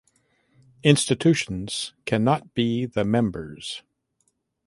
Institutions cannot be the members.